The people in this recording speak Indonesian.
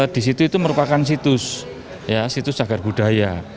di situ itu merupakan situs ya situs cagar budaya